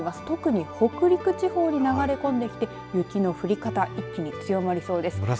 特に北陸地方に流れ込んできて雪の降り方一気に強まりそうです。